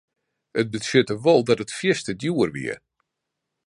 It betsjutte wol dat dat fierste djoer wie.